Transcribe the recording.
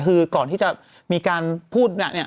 คือก่อนที่จะมีการพูดเนี่ย